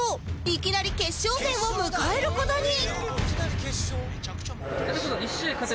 いきなり決勝戦を迎える事に